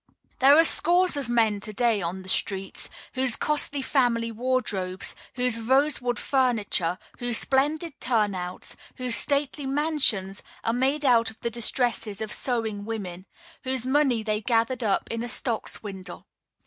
There are scores of men to day on the streets, whose costly family wardrobes, whose rosewood furniture, whose splendid turn outs, whose stately mansions, are made out of the distresses of sewing women, whose money they gathered up in a stock swindle.